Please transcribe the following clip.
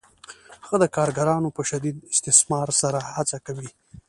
هغه د کارګرانو په شدید استثمار سره هڅه کوي